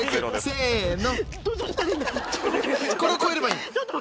せの。